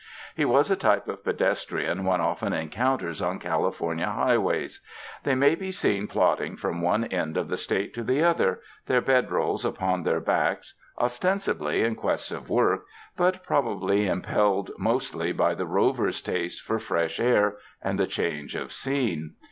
He was a type of pedestrian one often encounters on California high ways. They may be seen plodding from one end of the State to the other, their bed rolls upon their backs, ostensibly in quest of work, but probably im pelled mostly by the rover's taste for fresh air and a change of scene.